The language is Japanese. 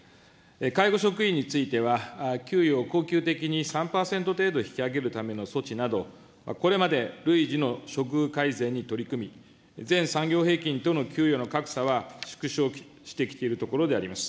介護職員については、給与を恒久的に３％程度引き上げるための措置など、これまでるいじの処遇改善に取り組み、全産業平均との給与の格差は縮小してきているところであります。